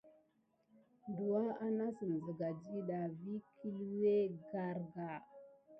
Douwa anasime siga ɗida vi kilué karka.